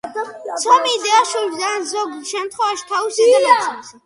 ცომი იდება შუბლზე ან, ზოგ შემთხვევაში, თავის ზედა ნაწილზე.